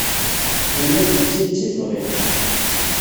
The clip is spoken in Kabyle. Tenniḍ-d d tidet i tebɣiḍ.